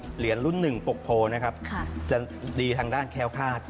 เจาะแหงนะครับเหรียญรุ่น๑ปกโพพิมพ์นะครับจะดีทางด้านแคล้วทาธิ์